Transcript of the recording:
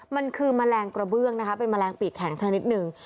มันคือแมลงกระเบื้องนะคะเป็นแมลงปีกแข็งชนิดหนึ่ง